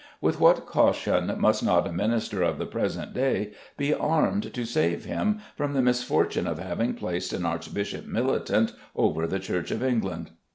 With what caution must not a Minister of the present day be armed to save him from the misfortune of having placed an archbishop militant over the Church of England?